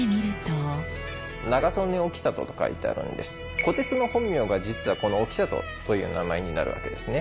虎徹の本名が実はこの興里という名前になるわけですね。